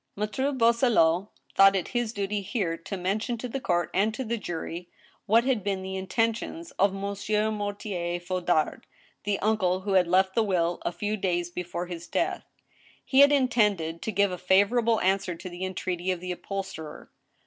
Maitre Boisselot thought it his duty here to mention to the court and to the jury what had been the intentions of Monsieur Mor tier Fondard, the uncle who had left the will, a few days before his death. He had intended to give a favorable answer to the entreaty of the upholsterer.